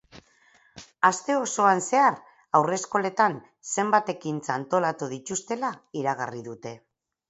Aste osoan zehar haurreskoletan zenbait ekintza antolatu dituztela iragarri dute.